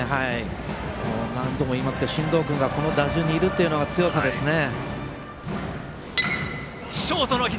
何度も言いますが進藤君がこの打順にいるのが強さですね。